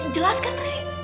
jelas kan rey